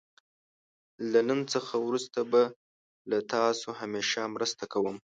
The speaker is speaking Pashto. له نن څخه وروسته به له تاسو همېشه مرسته کوم.